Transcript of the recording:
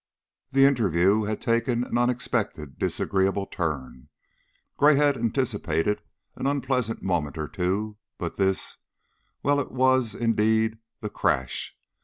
The interview had taken an unexpectedly disagreeable turn. Gray had anticipated an unpleasant moment or two, but this well, it was indeed the crash.